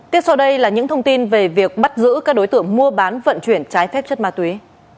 tiếp sau đây là những thông tin về việc bắt giữ các đối tượng mua bán vận chuyển trái phép chất ma túy